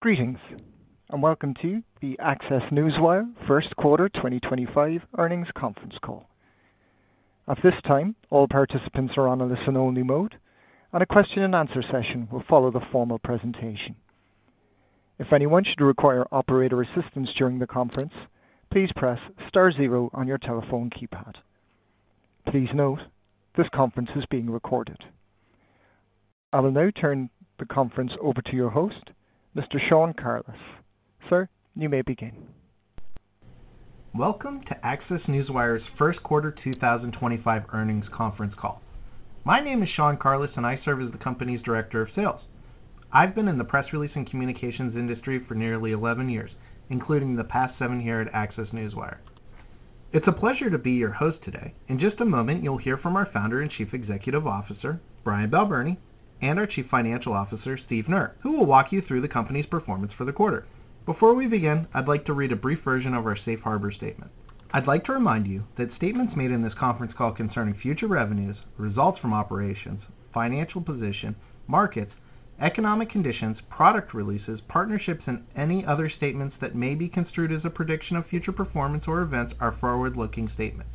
Greetings, and welcome to the ACCESS Newswire First Quarter 2025 Earnings Conference Call. At this time, all participants are on a listen-only mode, and a question-and-answer session will follow the formal presentation. If anyone should require operator assistance during the conference, please press star zero on your telephone keypad. Please note, this conference is being recorded. I will now turn the conference over to your host, Mr. Sean Carliss. Sir, you may begin. Welcome to ACCESS Newswire's First Quarter 2025 Earnings Conference Call. My name is Sean Carliss, and I serve as the company's Director of Sales. I've been in the press release and communications industry for nearly 11 years, including the past seven here at ACCESS Newswire. It's a pleasure to be your host today. In just a moment, you'll hear from our Founder and Chief Executive Officer, Brian Balbirnie, and our Chief Financial Officer, Steve Knerr, who will walk you through the company's performance for the quarter. Before we begin, I'd like to read a brief version of our safe harbor statement. I'd like to remind you that statements made in this conference call concerning future revenues, results from operations, financial position, markets, economic conditions, product releases, partnerships, and any other statements that may be construed as a prediction of future performance or events are forward-looking statements,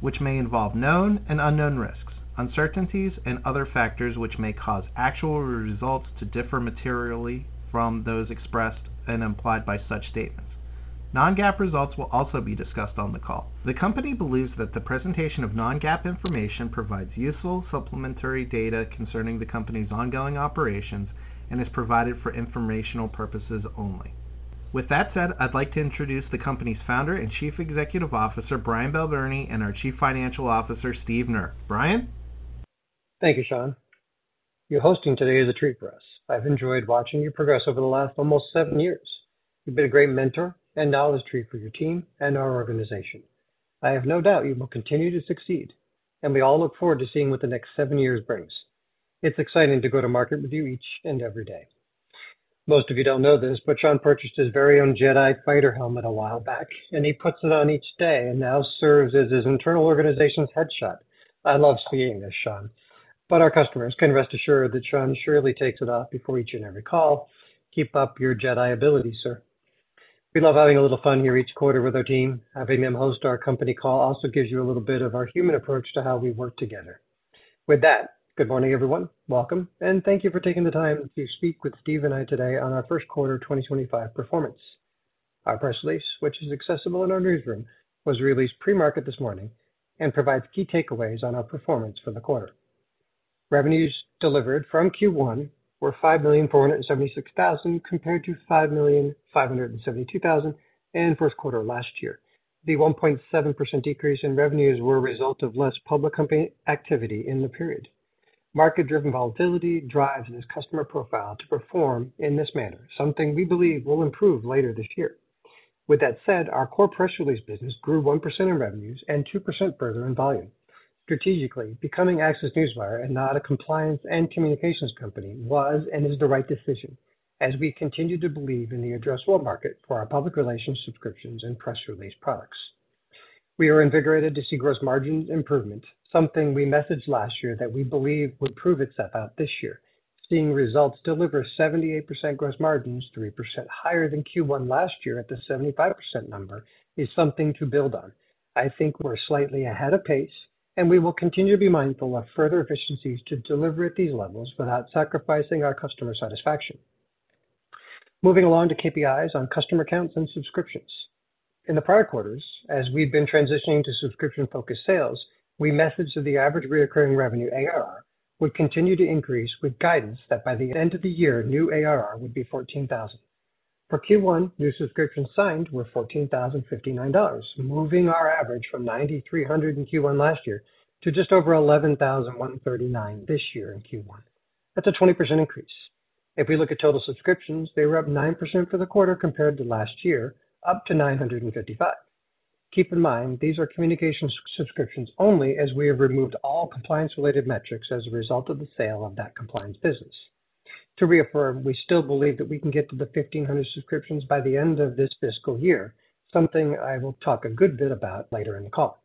which may involve known and unknown risks, uncertainties, and other factors which may cause actual results to differ materially from those expressed and implied by such statements. Non-GAAP results will also be discussed on the call. The company believes that the presentation of non-GAAP information provides useful supplementary data concerning the company's ongoing operations and is provided for informational purposes only. With that said, I'd like to introduce the company's Founder and Chief Executive Officer, Brian Balbirnie, and our Chief Financial Officer, Steve Knerr. Brian? Thank you, Sean. Your hosting today is a treat for us. I've enjoyed watching you progress over the last almost seven years. You've been a great mentor and knowledge tree for your team and our organization. I have no doubt you will continue to succeed, and we all look forward to seeing what the next seven years brings. It's exciting to go to market with you each and every day. Most of you don't know this, but Sean purchased his very own Jedi fighter helmet a while back, and he puts it on each day and now serves as his internal organization's headshot. I love seeing this, Sean, but our customers can rest assured that Sean surely takes it off before each and every call. Keep up your Jedi ability, sir. We love having a little fun here each quarter with our team. Having them host our company call also gives you a little bit of our human approach to how we work together. With that, good morning, everyone. Welcome, and thank you for taking the time to speak with Steve and I today on our First Quarter 2025 performance. Our press release, which is accessible in our newsroom, was released pre-market this morning and provides key takeaways on our performance for the quarter. Revenues delivered from Q1 were $5,476,000 compared to $5,572,000 in first quarter last year. The 1.7% decrease in revenues was the result of less public company activity in the period. Market-driven volatility drives this customer profile to perform in this manner, something we believe will improve later this year. With that said, our core press release business grew 1% in revenues and 2% further in volume. Strategically, becoming ACCESS Newswire and not a compliance and communications company was and is the right decision, as we continue to believe in the addressable market for our public relations subscriptions and press release products. We are invigorated to see gross margin improvement, something we messaged last year that we believe would prove itself out this year. Seeing results deliver 78% gross margins, 3% higher than Q1 last year at the 75% number, is something to build on. I think we're slightly ahead of pace, and we will continue to be mindful of further efficiencies to deliver at these levels without sacrificing our customer satisfaction. Moving along to KPIs on customer counts and subscriptions. In the prior quarters, as we've been transitioning to subscription-focused sales, we messaged that the average recurring revenue ARR would continue to increase with guidance that by the end of the year, new ARR would be $14,000. For Q1, new subscriptions signed were $14,059, moving our average from $9,300 in Q1 last year to just over $11,139 this year in Q1. That's a 20% increase. If we look at total subscriptions, they were up 9% for the quarter compared to last year, up to 955. Keep in mind, these are communications subscriptions only as we have removed all compliance-related metrics as a result of the sale of that compliance business. To reaffirm, we still believe that we can get to the 1,500 subscriptions by the end of this fiscal year, something I will talk a good bit about later in the call.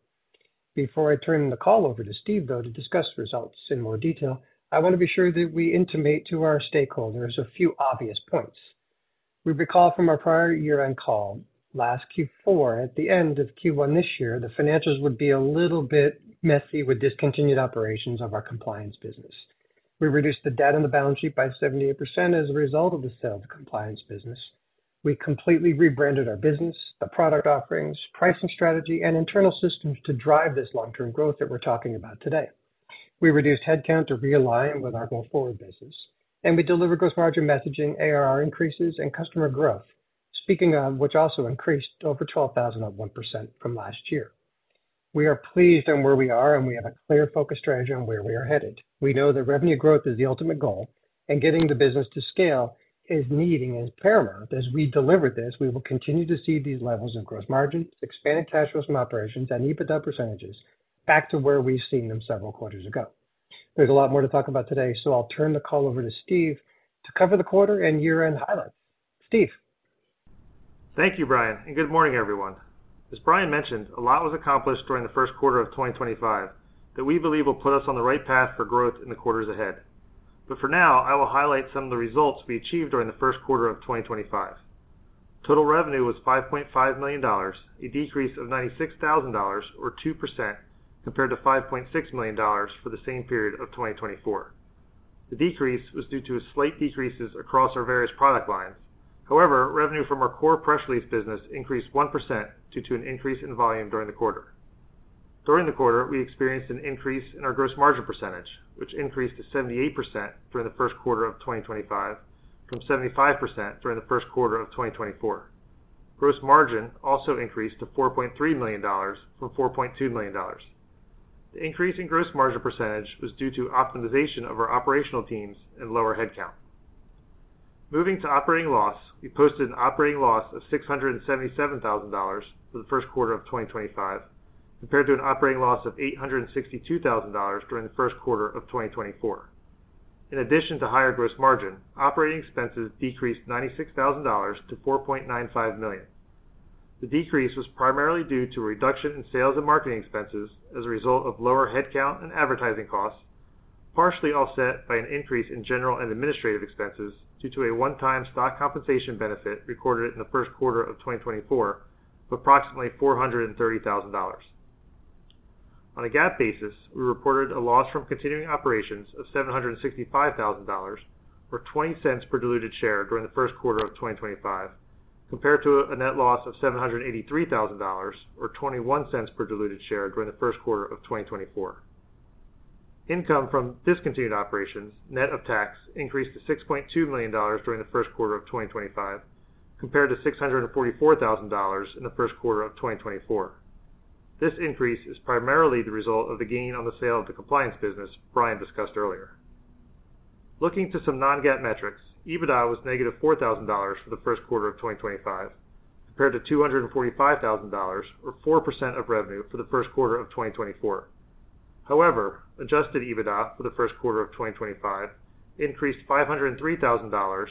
Before I turn the call over to Steve, though, to discuss results in more detail, I want to be sure that we intimate to our stakeholders a few obvious points. We recall from our prior year-end call last Q4, at the end of Q1 this year, the financials would be a little bit messy with discontinued operations of our compliance business. We reduced the debt on the balance sheet by 78% as a result of the sale of the compliance business. We completely rebranded our business, the product offerings, pricing strategy, and internal systems to drive this long-term growth that we're talking about today. We reduced headcount to realign with our goal forward business, and we delivered gross margin messaging, ARR increases, and customer growth, speaking of which also increased over 12,000 of 1% from last year. We are pleased on where we are, and we have a clear focus strategy on where we are headed. We know that revenue growth is the ultimate goal, and getting the business to scale is needing as paramount. As we deliver this, we will continue to see these levels of gross margins, expanded cash flows from operations, and EBITDA percentages back to where we've seen them several quarters ago. There is a lot more to talk about today, so I'll turn the call over to Steve to cover the quarter and year-end highlights. Steve. Thank you, Brian, and good morning, everyone. As Brian mentioned, a lot was accomplished during the first quarter of 2025 that we believe will put us on the right path for growth in the quarters ahead. For now, I will highlight some of the results we achieved during the first quarter of 2025. Total revenue was $5.5 million, a decrease of $96,000, or 2% compared to $5.6 million for the same period of 2024. The decrease was due to slight decreases across our various product lines. However, revenue from our core press release business increased 1% due to an increase in volume during the quarter. During the quarter, we experienced an increase in our gross margin percentage, which increased to 78% during the first quarter of 2025 from 75% during the first quarter of 2024. Gross margin also increased to $4.3 million from $4.2 million. The increase in gross margin percentage was due to optimization of our operational teams and lower headcount. Moving to operating loss, we posted an operating loss of $677,000 for the first quarter of 2025 compared to an operating loss of $862,000 during the first quarter of 2024. In addition to higher gross margin, operating expenses decreased $96,000 to $4.95 million. The decrease was primarily due to a reduction in sales and marketing expenses as a result of lower headcount and advertising costs, partially offset by an increase in general and administrative expenses due to a one-time stock compensation benefit recorded in the first quarter of 2024 of approximately $430,000. On a GAAP basis, we reported a loss from continuing operations of $765,000, or $0.20 per diluted share during the first quarter of 2025, compared to a net loss of $783,000, or $0.21 per diluted share during the first quarter of 2024. Income from discontinued operations, net of tax, increased to $6.2 million during the first quarter of 2025 compared to $644,000 in the first quarter of 2024. This increase is primarily the result of the gain on the sale of the compliance business Brian discussed earlier. Looking to some non-GAAP metrics, EBITDA was -$4,000 for the first quarter of 2025 compared to $245,000, or 4% of revenue for the first quarter of 2024. However, adjusted EBITDA for the first quarter of 2025 increased $503,000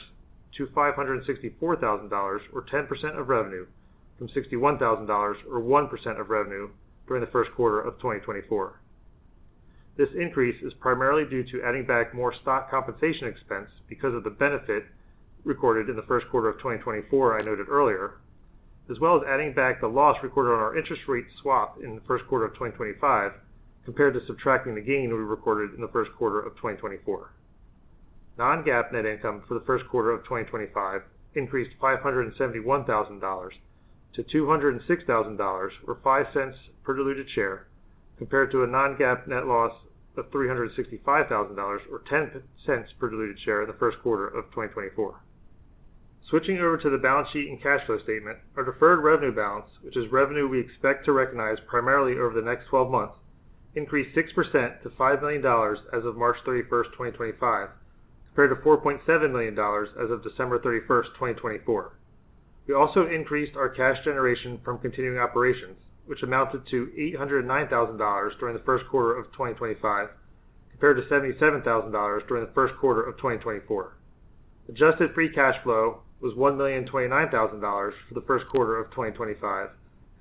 to $564,000, or 10% of revenue from $61,000, or 1% of revenue during the first quarter of 2024. This increase is primarily due to adding back more stock compensation expense because of the benefit recorded in the first quarter of 2024 I noted earlier, as well as adding back the loss recorded on our interest rate swap in the first quarter of 2025 compared to subtracting the gain we recorded in the first quarter of 2024. Non-GAAP net income for the first quarter of 2025 increased $571,000 to $206,000, or $0.05 per diluted share compared to a non-GAAP net loss of $365,000, or $0.10 per diluted share in the first quarter of 2024. Switching over to the balance sheet and cash flow statement, our deferred revenue balance, which is revenue we expect to recognize primarily over the next 12 months, increased 6% to $5 million as of March 31, 2025, compared to $4.7 million as of December 31st, 2024. We also increased our cash generation from continuing operations, which amounted to $809,000 during the first quarter of 2025 compared to $77,000 during the first quarter of 2024. Adjusted free cash flow was $1,029,000 for the first quarter of 2025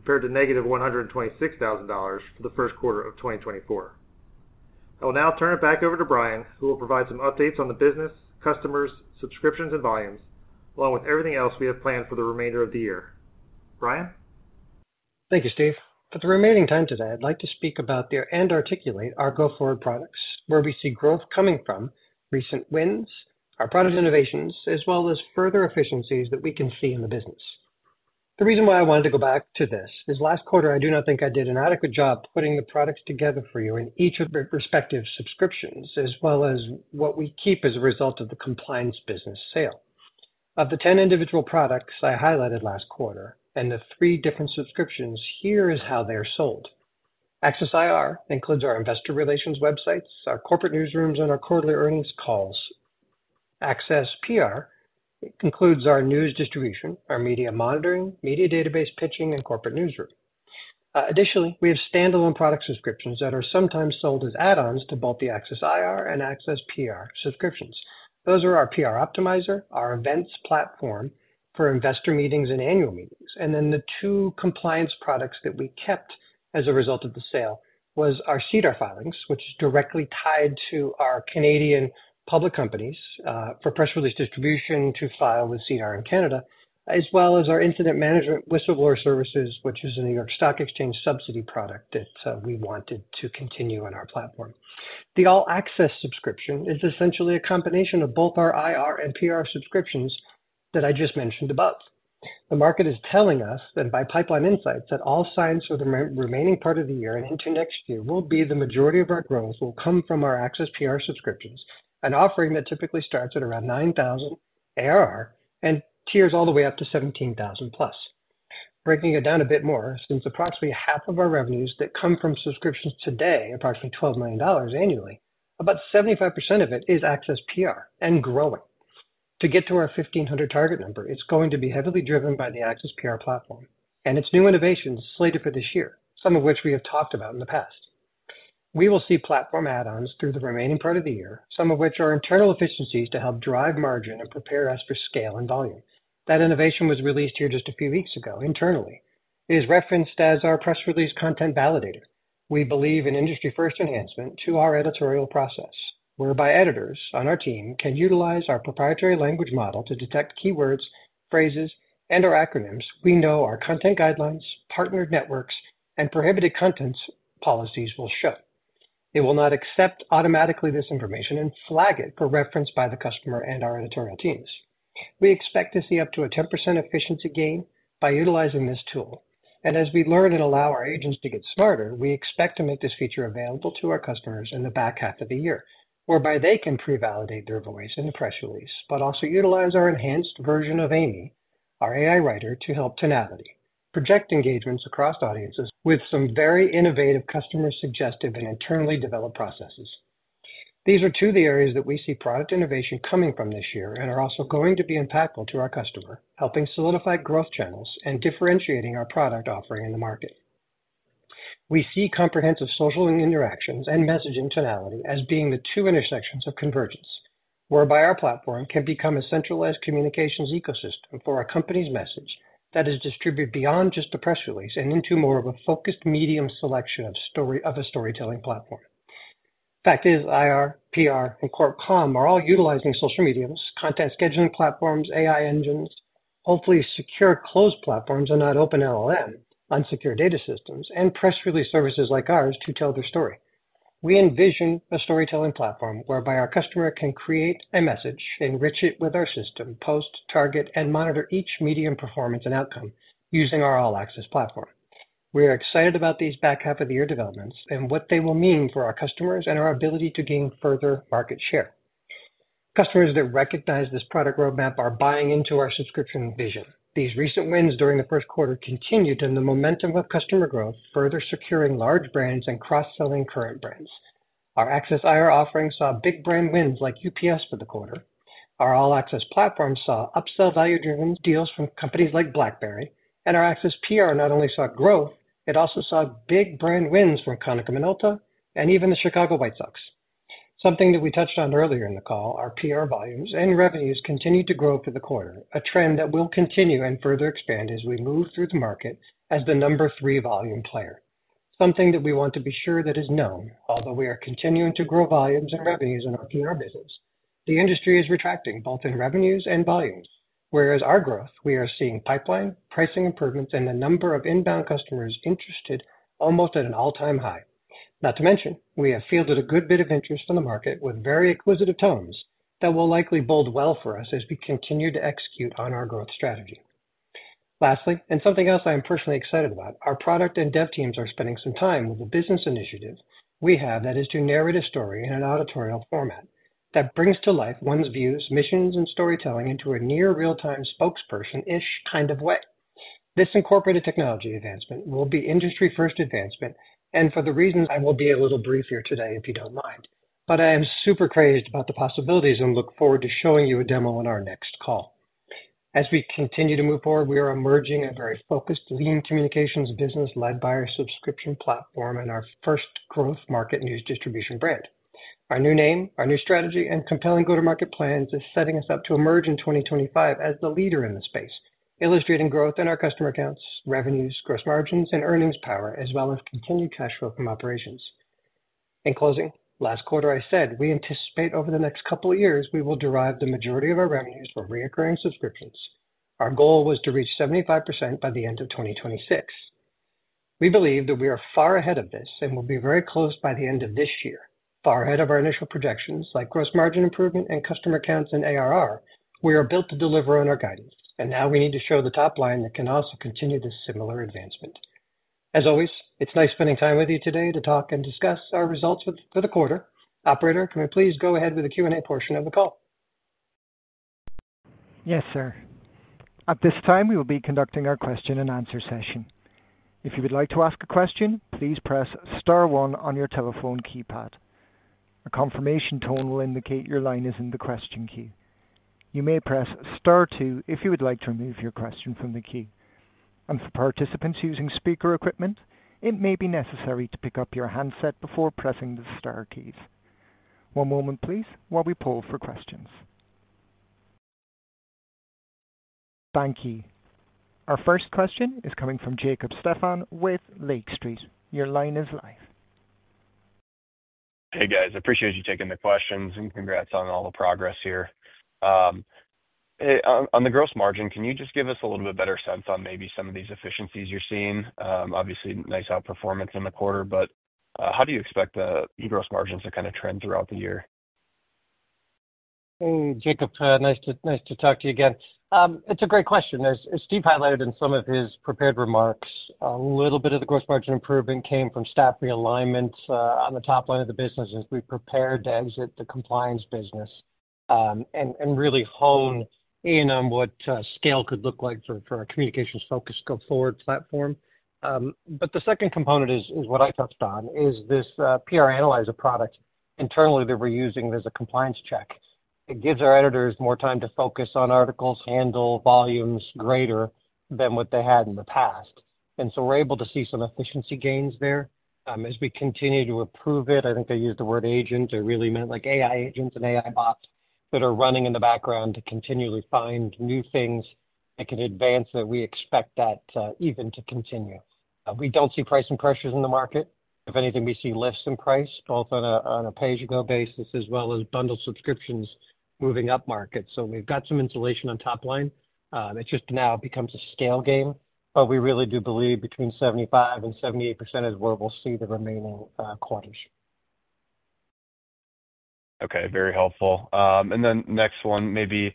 compared to -$126,000 for the first quarter of 2024. I will now turn it back over to Brian, who will provide some updates on the business, customers, subscriptions, and volumes, along with everything else we have planned for the remainder of the year. Brian? Thank you, Steve. For the remaining time today, I'd like to speak about and articulate our go-forward products, where we see growth coming from, recent wins, our product innovations, as well as further efficiencies that we can see in the business. The reason why I wanted to go back to this is last quarter, I do not think I did an adequate job putting the products together for you in each of the respective subscriptions, as well as what we keep as a result of the compliance business sale. Of the 10 individual products I highlighted last quarter and the three different subscriptions, here is how they're sold. ACCESS IR includes our investor relations websites, our corporate newsrooms, and our quarterly earnings calls. ACCESS PR includes our news distribution, our media monitoring, media database pitching, and corporate newsroom. Additionally, we have standalone product subscriptions that are sometimes sold as add-ons to both the ACCESS IR and ACCESS PR subscriptions. Those are our PR Optimizer, our events platform for investor meetings and annual meetings, and then the two compliance products that we kept as a result of the sale were our SEDAR filings, which is directly tied to our Canadian public companies for press release distribution to file with SEDAR in Canada, as well as our incident management whistleblower services, which is a New York Stock Exchange subsidy product that we wanted to continue in our platform. The ALL ACCESS subscription is essentially a combination of both our IR and PR subscriptions that I just mentioned above. The market is telling us that by pipeline insights that all signs for the remaining part of the year and into next year will be the majority of our growth will come from our ACCESS PR subscriptions, an offering that typically starts at around $9,000 ARR and tiers all the way up to $17,000 plus. Breaking it down a bit more, since approximately half of our revenues that come from subscriptions today, approximately $12 million annually, about 75% of it is ACCESS PR and growing. To get to our 1,500 target number, it's going to be heavily driven by the ACCESS PR platform and its new innovations slated for this year, some of which we have talked about in the past. We will see platform add-ons through the remaining part of the year, some of which are internal efficiencies to help drive margin and prepare us for scale and volume. That innovation was released here just a few weeks ago internally. It is referenced as our press release content validator. We believe an industry-first enhancement to our editorial process, whereby editors on our team can utilize our proprietary language model to detect keywords, phrases, and acronyms we know our content guidelines, partnered networks, and prohibited contents policies will show. It will not accept automatically this information and flag it for reference by the customer and our editorial teams. We expect to see up to a 10% efficiency gain by utilizing this tool. As we learn and allow our agents to get smarter, we expect to make this feature available to our customers in the back half of the year, whereby they can pre-validate their voice in the press release, but also utilize our enhanced version of AImee, our AI writer, to help tonality, project engagements across audiences with some very innovative customer-suggestive and internally developed processes. These are two of the areas that we see product innovation coming from this year and are also going to be impactful to our customer, helping solidify growth channels and differentiating our product offering in the market. We see comprehensive social interactions and messaging tonality as being the two intersections of convergence, whereby our platform can become a centralized communications ecosystem for our company's message that is distributed beyond just a press release and into more of a focused medium selection of a storytelling platform. Fact is, IR, PR, and CorpCom are all utilizing social mediums, content scheduling platforms, AI engines, hopefully secure closed platforms and not open LLM, unsecured data systems, and press release services like ours to tell their story. We envision a storytelling platform whereby our customer can create a message, enrich it with our system, post, target, and monitor each medium performance and outcome using our ALL ACCESS platform. We are excited about these back half of the year developments and what they will mean for our customers and our ability to gain further market share. Customers that recognize this product roadmap are buying into our subscription vision. These recent wins during the first quarter continued in the momentum of customer growth, further securing large brands and cross-selling current brands. Our ACCESS IR offering saw big brand wins like UPS for the quarter. Our ALL ACCESS platform saw upsell value-driven deals from companies like BlackBerry, and our ACCESS PR not only saw growth, it also saw big brand wins from Konica Minolta and even the Chicago White Sox. Something that we touched on earlier in the call, our PR volumes and revenues continued to grow for the quarter, a trend that will continue and further expand as we move through the market as the number three volume player. Something that we want to be sure that is known, although we are continuing to grow volumes and revenues in our PR business. The industry is retracting both in revenues and volumes, whereas our growth, we are seeing pipeline, pricing improvements, and the number of inbound customers interested almost at an all-time high. Not to mention, we have fielded a good bit of interest in the market with very acquisitive tones that will likely bode well for us as we continue to execute on our growth strategy. Lastly, and something else I am personally excited about, our product and dev teams are spending some time with a business initiative we have that is to narrate a story in an auditorial format that brings to life one's views, missions, and storytelling into a near real-time spokesperson-ish kind of way. This incorporated technology advancement will be industry-first advancement, and for the reasons I will be a little brief here today if you don't mind, but I am super crazed about the possibilities and look forward to showing you a demo in our next call. As we continue to move forward, we are emerging a very focused, lean communications business led by our subscription platform and our first growth market news distribution brand. Our new name, our new strategy, and compelling go-to-market plans are setting us up to emerge in 2025 as the leader in the space, illustrating growth in our customer accounts, revenues, gross margins, and earnings power, as well as continued cash flow from operations. In closing, last quarter, I said we anticipate over the next couple of years we will derive the majority of our revenues from recurring subscriptions. Our goal was to reach 75% by the end of 2026. We believe that we are far ahead of this and will be very close by the end of this year, far ahead of our initial projections like gross margin improvement and customer accounts and ARR. We are built to deliver on our guidance, and now we need to show the top line that can also continue this similar advancement. As always, it's nice spending time with you today to talk and discuss our results for the quarter. Operator, can we please go ahead with the Q&A portion of the call? Yes, sir. At this time, we will be conducting our question and answer session. If you would like to ask a question, please press star one on your telephone keypad. A confirmation tone will indicate your line is in the question queue. You may press star two if you would like to remove your question from the queue. For participants using speaker equipment, it may be necessary to pick up your handset before pressing the Star keys. One moment, please, while we poll for questions. Thank you. Our first question is coming from Jacob Stephan with Lake Street. Your line is live. Hey, guys. I appreciate you taking the questions and congrats on all the progress here. On the gross margin, can you just give us a little bit better sense on maybe some of these efficiencies you're seeing? Obviously, nice outperformance in the quarter, but how do you expect the gross margins to kind of trend throughout the year? Hey, Jacob. Nice to talk to you again. It's a great question. As Steve highlighted in some of his prepared remarks, a little bit of the gross margin improvement came from staff realignment on the top line of the business as we prepared to exit the compliance business and really hone in on what scale could look like for our communications-focused go-forward platform. The second component is what I touched on, is this PR analyzer product internally that we're using as a compliance check. It gives our editors more time to focus on articles. Handle volumes greater than what they had in the past. We are able to see some efficiency gains there as we continue to improve it. I think I used the word agent. I really meant like AI agents and AI bots that are running in the background to continually find new things that can advance that. We expect that even to continue. We do not see pricing pressures in the market. If anything, we see lifts in price both on a pay-as-you-go basis as well as bundled subscriptions moving up market. We have some insulation on top line. It just now becomes a scale game, but we really do believe between 75%-78% is where we will see the remaining quarters. Okay. Very helpful. Next one, maybe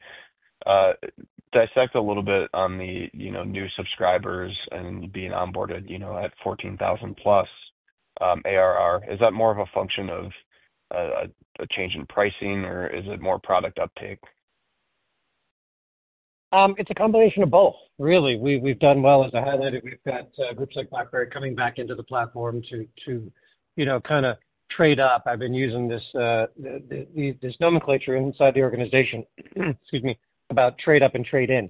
dissect a little bit on the new subscribers and being onboarded at $14,000+ ARR. Is that more of a function of a change in pricing, or is it more product uptake? It's a combination of both, really. We've done well, as I highlighted. We've got groups like BlackBerry coming back into the platform to kind of trade up. I've been using this nomenclature inside the organization, excuse me, about trade up and trade in.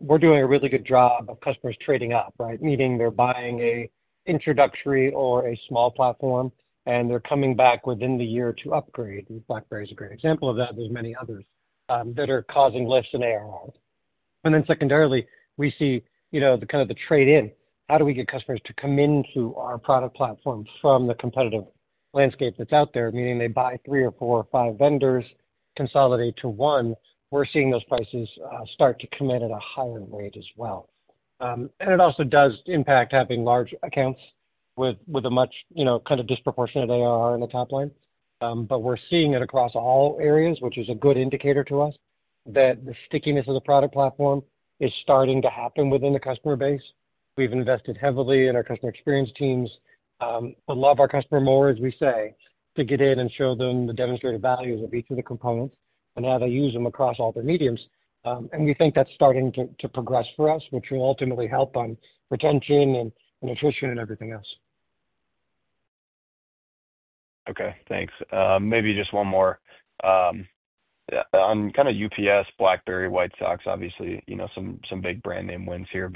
We're doing a really good job of customers trading up, right? Meaning they're buying an introductory or a small platform, and they're coming back within the year to upgrade. BlackBerry is a great example of that. There are many others that are causing lifts in ARR. Then secondarily, we see the kind of the trade in. How do we get customers to come into our product platform from the competitive landscape that's out there, meaning they buy three or four or five vendors, consolidate to one? We're seeing those prices start to come in at a higher rate as well. It also does impact having large accounts with a much kind of disproportionate ARR in the top line. We are seeing it across all areas, which is a good indicator to us that the stickiness of the product platform is starting to happen within the customer base. We have invested heavily in our customer experience teams. We love our customer more, as we say, to get in and show them the demonstrated values of each of the components and how they use them across all their mediums. We think that is starting to progress for us, which will ultimately help on retention and attrition and everything else. Okay. Thanks. Maybe just one more on kind of UPS, BlackBerry, White Sox, obviously some big brand name wins here.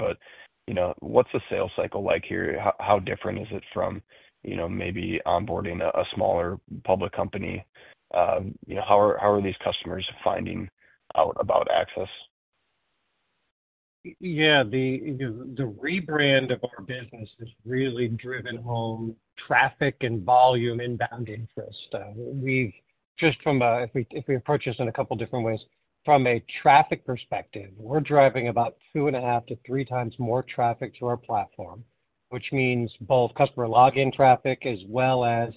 What's the sales cycle like here? How different is it from maybe onboarding a smaller public company? How are these customers finding out about ACCESS? Yeah. The rebrand of our business has really driven home traffic and volume and inbound interest. Just from a, if we approach this in a couple of different ways, from a traffic perspective, we're driving about two and a half to three times more traffic to our platform, which means both customer login traffic as well as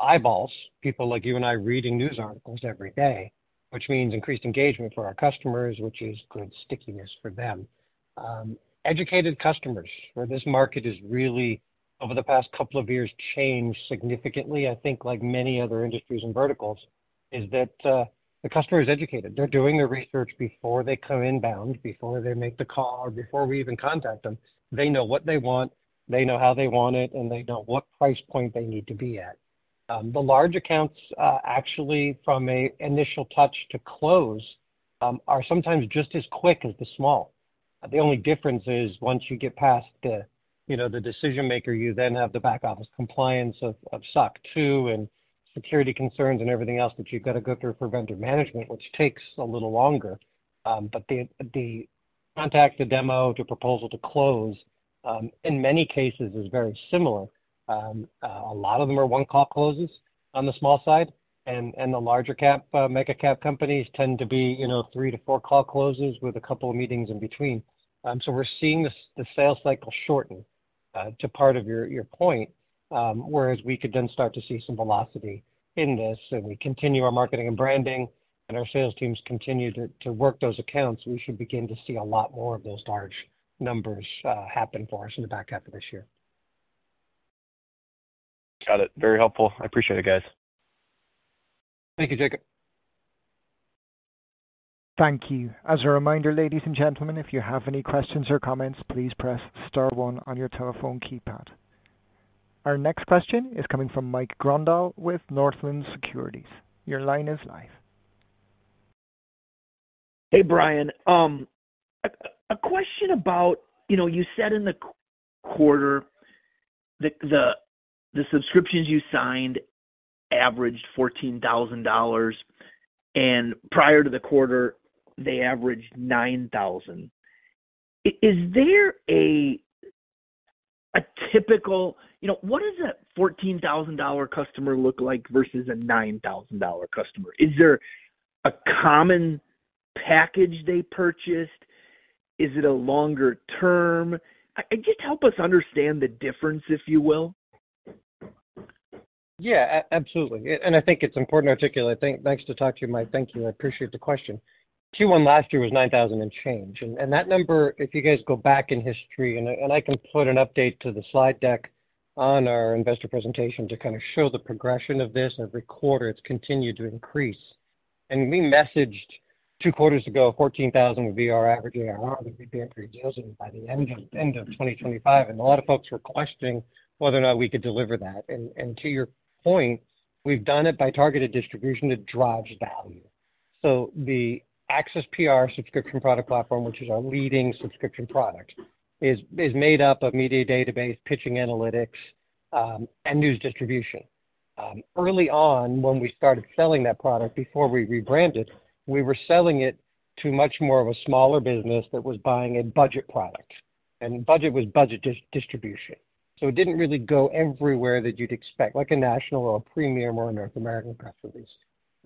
eyeballs, people like you and I reading news articles every day, which means increased engagement for our customers, which is good stickiness for them. Educated customers for this market has really, over the past couple of years, changed significantly. I think like many other industries and verticals, is that the customer is educated. They're doing their research before they come inbound, before they make the call, or before we even contact them. They know what they want. They know how they want it, and they know what price point they need to be at. The large accounts, actually, from an initial touch to close, are sometimes just as quick as the small. The only difference is once you get past the decision maker, you then have the back office compliance of SOC 2 and security concerns and everything else that you've got to go through for vendor management, which takes a little longer. The contact, the demo, the proposal to close, in many cases, is very similar. A lot of them are one-call closes on the small side, and the larger cap, mega cap companies tend to be three to four-call closes with a couple of meetings in between. We are seeing the sales cycle shorten, to part of your point, whereas we could then start to see some velocity in this. If we continue our marketing and branding and our sales teams continue to work those accounts, we should begin to see a lot more of those large numbers happen for us in the back half of this year. Got it. Very helpful. I appreciate it, guys. Thank you, Jacob. Thank you. As a reminder, ladies and gentlemen, if you have any questions or comments, please press star one on your telephone keypad. Our next question is coming from Mike Grondahl with Northland Securities. Your line is live. Hey, Brian. A question about you said in the quarter that the subscriptions you signed averaged $14,000, and prior to the quarter, they averaged $9,000. Is there a typical—what does a $14,000 customer look like versus a $9,000 customer? Is there a common package they purchased? Is it a longer term? Just help us understand the difference, if you will. Yeah, absolutely. I think it's important to articulate. Thanks to talk to you, Mike. Thank you. I appreciate the question. Q1 last year was $9,000 and change. That number, if you guys go back in history, and I can put an update to the slide deck on our investor presentation to kind of show the progression of this, every quarter it's continued to increase. We messaged two quarters ago, $14,000 would be our average ARR that we'd be able to deal with by the end of 2025. A lot of folks were questioning whether or not we could deliver that. To your point, we've done it by targeted distribution that drives value. The ACCESS PR subscription product platform, which is our leading subscription product, is made up of media database, pitching analytics, and news distribution. Early on, when we started selling that product, before we rebranded, we were selling it to much more of a smaller business that was buying a budget product. And budget was budget distribution. It did not really go everywhere that you would expect, like a national or a premium or a North American press release.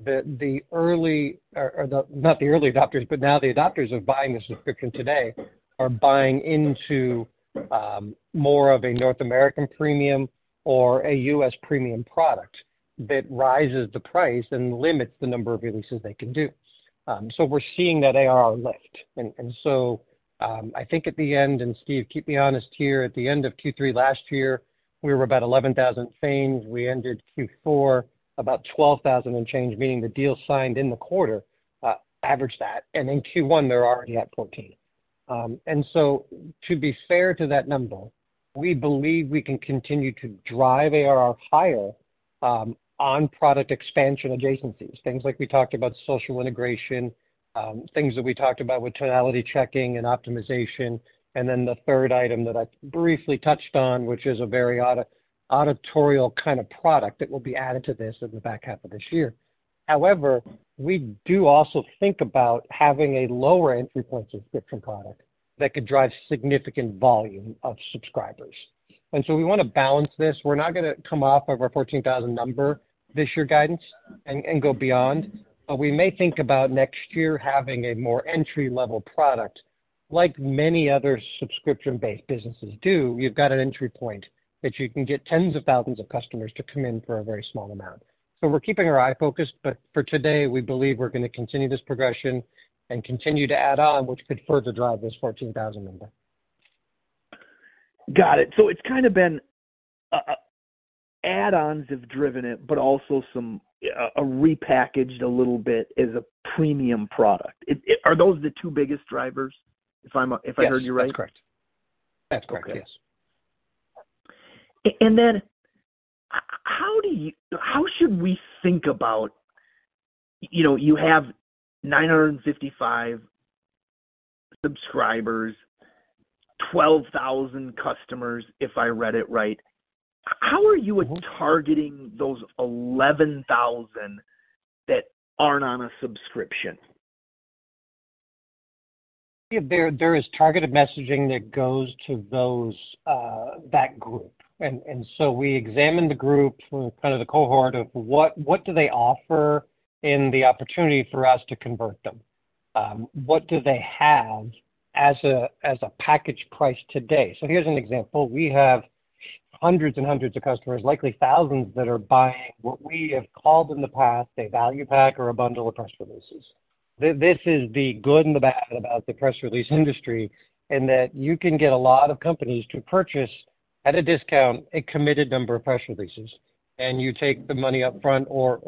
The early—not the early adopters, but now the adopters of buying the subscription today are buying into more of a North American premium or a US premium product that rises the price and limits the number of releases they can do. We are seeing that ARR lift. I think at the end—and Steve, keep me honest here—at the end of Q3 last year, we were about $11,000 in fame. We ended Q4 about $12,000 and change, meaning the deal signed in the quarter averaged that. In Q1, they are already at $14,000. To be fair to that number, we believe we can continue to drive ARR higher on product expansion adjacencies, things like we talked about social integration, things that we talked about with tonality checking and optimization. The third item that I briefly touched on, which is a very auditorial kind of product, will be added to this in the back half of this year. However, we do also think about having a lower-entry point subscription product that could drive significant volume of subscribers. We want to balance this. We're not going to come off of our 14,000 number this year guidance and go beyond. We may think about next year having a more entry-level product. Like many other subscription-based businesses do, you've got an entry point that you can get tens of thousands of customers to come in for a very small amount. We're keeping our eye focused. For today, we believe we're going to continue this progression and continue to add on, which could further drive this 14,000 number. Got it. So it's kind of been add-ons have driven it, but also some repackaged a little bit as a premium product. Are those the two biggest drivers, if I heard you right? That's correct. That's correct, yes. How should we think about you have 955 subscribers, 12,000 customers, if I read it right. How are you targeting those 11,000 that aren't on a subscription? There is targeted messaging that goes to that group. We examine the group, kind of the cohort of what do they offer and the opportunity for us to convert them. What do they have as a package price today? Here is an example. We have hundreds and hundreds of customers, likely thousands that are buying what we have called in the past a value pack or a bundle of press releases. This is the good and the bad about the press release industry in that you can get a lot of companies to purchase at a discount a committed number of press releases. You take the money upfront or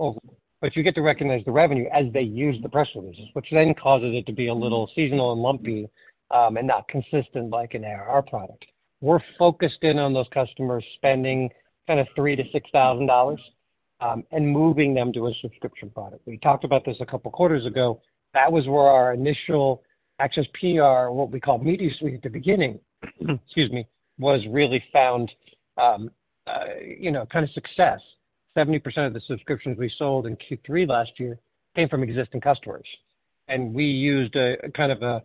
you get to recognize the revenue as they use the press releases, which then causes it to be a little seasonal and lumpy and not consistent like an ARR product. We're focused in on those customers spending kind of $3,000-$6,000 and moving them to a subscription product. We talked about this a couple of quarters ago. That was where our initial ACCESS PR, what we call media suite at the beginning, excuse me, was really found kind of success. 70% of the subscriptions we sold in Q3 last year came from existing customers. We used kind of a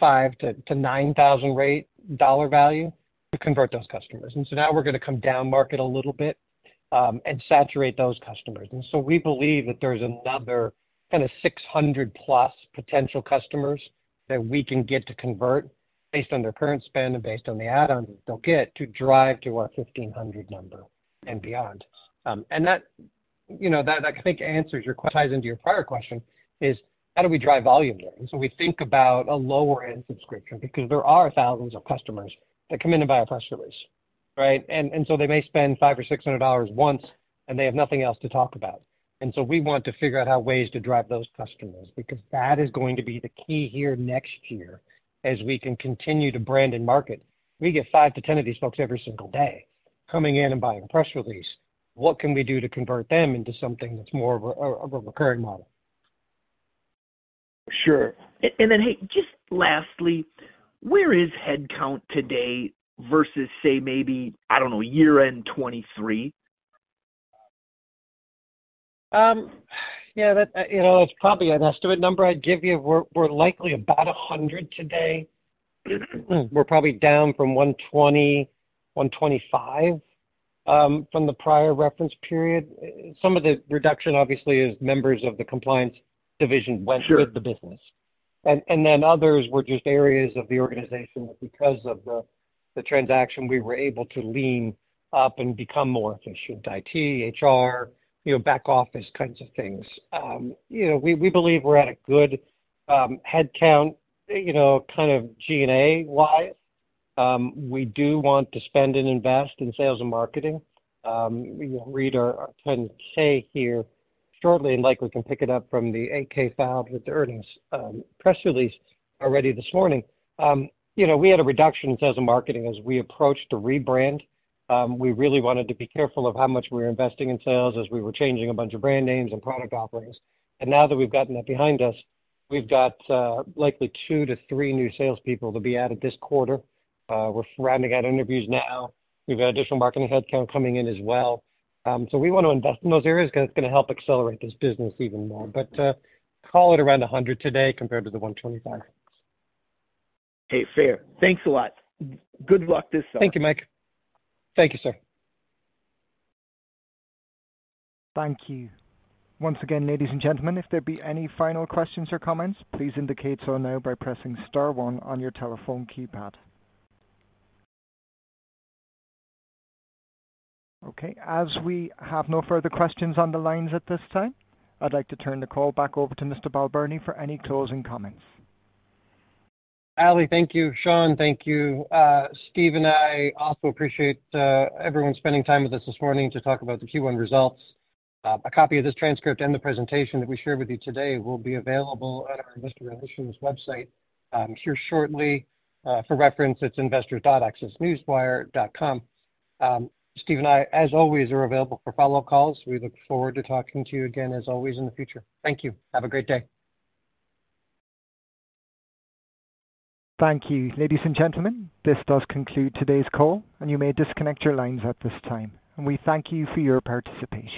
$5,000-$9,000 rate dollar value to convert those customers. Now we're going to come down market a little bit and saturate those customers. We believe that there's another kind of 600-plus potential customers that we can get to convert based on their current spend and based on the add-ons that they'll get to drive to our 1,500 number and beyond. That, I think, answers your ties into your prior question. How do we drive volume there? We think about a lower-end subscription because there are thousands of customers that come in and buy a press release, right? They may spend $500 or $600 once, and they have nothing else to talk about. We want to figure out ways to drive those customers because that is going to be the key here next year as we continue to brand and market. We get 5-10 of these folks every single day coming in and buying a press release. What can we do to convert them into something that's more of a recurring model? Sure. And then, hey, just lastly, where is headcount today versus, say, maybe, I don't know, year-end 2023? Yeah. That's probably an estimate number I'd give you. We're likely about 100 today. We're probably down from 120-125 from the prior reference period. Some of the reduction, obviously, is members of the compliance division went with the business. And then others were just areas of the organization that, because of the transaction, we were able to lean up and become more efficient: IT, HR, back office kinds of things. We believe we're at a good headcount kind of G&A-wise. We do want to spend and invest in sales and marketing. We'll read our 10-K here shortly and likely can pick it up from the 8-K filed with the earnings press release already this morning. We had a reduction in sales and marketing as we approached the rebrand. We really wanted to be careful of how much we were investing in sales as we were changing a bunch of brand names and product offerings. Now that we've gotten that behind us, we've got likely two to three new salespeople to be added this quarter. We're rounding out interviews now. We've got additional marketing headcount coming in as well. We want to invest in those areas because it's going to help accelerate this business even more. Call it around 100 today compared to the 125. Hey, fair. Thanks a lot. Good luck this summer. Thank you, Mike. Thank you, sir. Thank you. Once again, ladies and gentlemen, if there be any final questions or comments, please indicate so now by pressing star one on your telephone keypad. Okay. As we have no further questions on the lines at this time, I'd like to turn the call back over to Mr. Balbirnie for any closing comments. Ali, thank you. Sean, thank you. Steve and I also appreciate everyone spending time with us this morning to talk about the Q1 results. A copy of this transcript and the presentation that we shared with you today will be available on our investor relations website here shortly. For reference, it's investors.accessnewswire.com. Steve and I, as always, are available for follow-up calls. We look forward to talking to you again, as always, in the future. Thank you. Have a great day. Thank you, ladies and gentlemen. This does conclude today's call, and you may disconnect your lines at this time. We thank you for your participation.